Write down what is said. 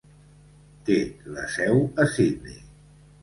Té la seu a Sydney.